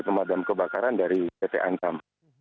di tempat yang kebakaran dari pt antam